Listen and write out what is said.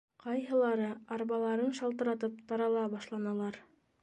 Ҡайһылары арбаларын шалтыратып тарала башланылар.